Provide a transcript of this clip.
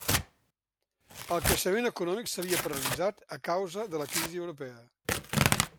El creixement econòmic s'havia paralitzat a causa de la crisi europea.